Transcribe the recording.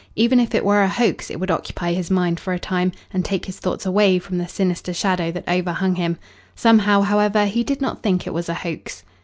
Even if it were a hoax it would occupy his mind for a time, and take his thoughts away from the sinister shadow that overhung him. Somehow, however, he did not think it was a hoax.